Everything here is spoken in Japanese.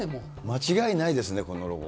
間違いないですね、このロゴ。